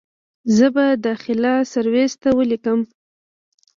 زه به داخله سرويس ته وليکم.